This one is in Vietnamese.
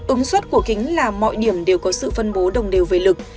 ứng suất của kính là mọi điểm đều có sự phân bố đồng đều về lực